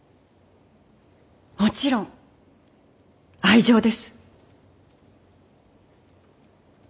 もちろん愛情です。